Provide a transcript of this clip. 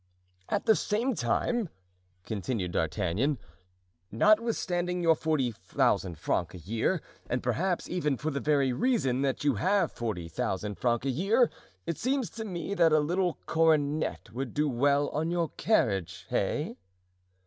"At the same time," continued D'Artagnan, "notwithstanding your forty thousand francs a year, and perhaps even for the very reason that you have forty thousand francs a year, it seems to me that a little coronet would do well on your carriage, hey?"